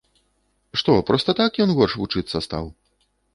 Што, проста так ён горш вучыцца стаў?